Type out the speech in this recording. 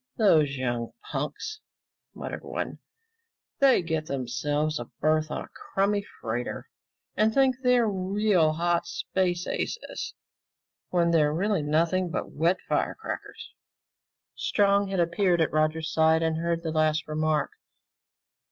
"Those young punks," muttered one, "they get themselves a berth on a crummy freighter and think they're real hot space aces when they're nothing but wet fire crackers!" Strong had appeared at Roger's side and heard the last remark.